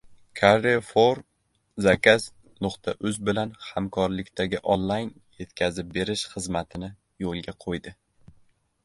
Carrefour Zakaz.uz bilan hamkorlikdagi online yetkazib berish xizmatini yo‘lga qo‘ydi